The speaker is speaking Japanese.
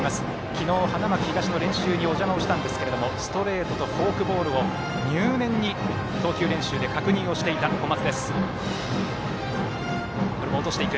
昨日、花巻東の練習にお邪魔をしたんですけれどもストレートとフォークボールを入念に投球練習で確認していた小松。